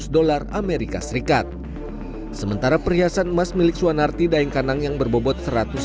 lima ratus dollar amerika serikat sementara perhiasan emas milik suanarti daingkanang yang berbobot